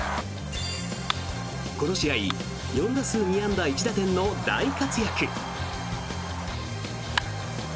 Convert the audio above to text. この試合４打数２安打１打点の大活躍。